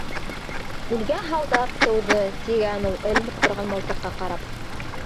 — Илгә һалдат тыуҙы, —тигән ул, эленеп торған мылтыҡҡа ҡарап.